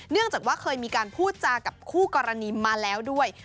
เนื่องจากว่าเคยมีการพูดจากับคู่กรณีมาแล้วด้วย